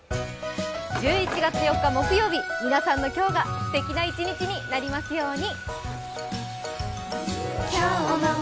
１１月４日、木曜日、皆さんの今日がすてきな一日になりますように！